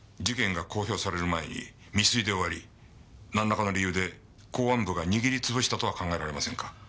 事件が公表される前に未遂で終わりなんらかの理由で公安部が握り潰したとは考えられませんか？